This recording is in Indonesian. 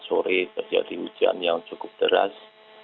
sore terjadi hujan yang cukup deras